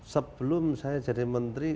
sebelum saya jadi menteri